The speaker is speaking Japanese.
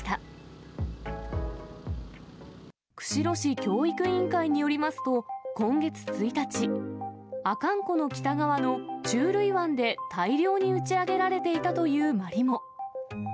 教育委員会によりますと、今月１日、阿寒湖の北側のチュウルイ湾で、大量に打ち上げられていたというマリモ。